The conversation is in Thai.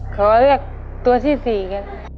ขอเลือกตัวที่๔กัน